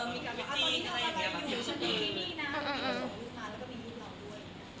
มีแค่เมื่อกี๊